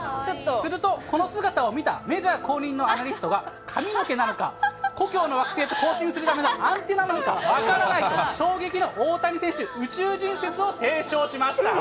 すると、この姿を見たメジャー公認のアナリストが、髪の毛なのか、故郷の惑星と交信するためのアンテナなのか分からないと、衝撃の大谷選手、宇宙人説を提唱しました。